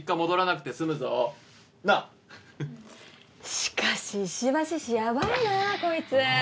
しかし石橋氏やばいなこいつ。